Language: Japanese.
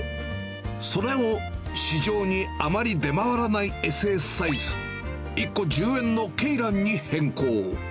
それを市場にあまり出回らないＳＳサイズ、１個１０円の鶏卵に変更。